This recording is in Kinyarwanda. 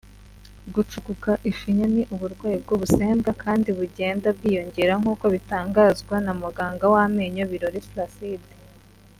Gucukuka ishinya ni uburwayi bw’ubusembwa kandi bugenda bwiyongera nk’uko bitangazwa na Muganga w’amenyo Birori Placide